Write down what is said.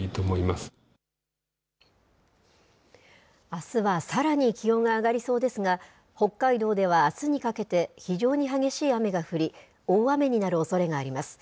あすはさらに気温が上がりそうですが、北海道ではあすにかけて、非常に激しい雨が降り、大雨になるおそれがあります。